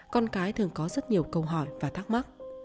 con cái thường có rất nhiều câu hỏi và thắc mắc